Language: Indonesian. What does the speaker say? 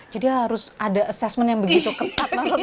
jadi harus ada assessment yang begitu ketat maksudnya